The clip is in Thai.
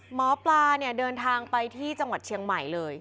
หมอปลาเนี่ยเดินทางไปที่จังหวัดเชียงใหม่เลย